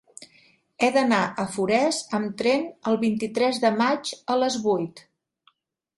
He d'anar a Forès amb tren el vint-i-tres de maig a les vuit.